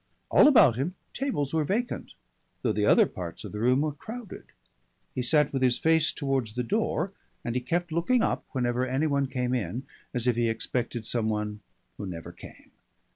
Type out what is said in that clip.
All about him tables were vacant, though the other parts of the room were crowded. He sat with his face towards the door, and he kept looking up whenever any one came in, as if he expected some one who never came.